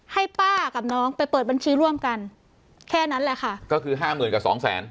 ให้ป้ากับน้องไปเปิดบัญชีร่วมกันแค่นั้นแหละค่ะก็คือห้าหมื่นกับสองแสน